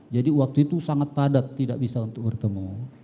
jadi waktu itu sangat padat tidak bisa untuk bertemu